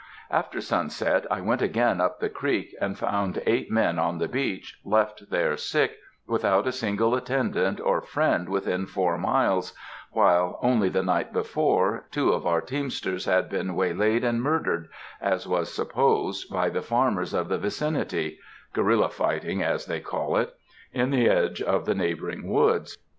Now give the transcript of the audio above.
After sunset I went again up the creek, and found eight men on the beach, left there sick, without a single attendant or friend within four miles, while, only the night before, two of our teamsters had been waylaid and murdered, as was supposed, by the farmers of the vicinity, (guerilla fighting as they call it,) in the edge of the neighboring woods.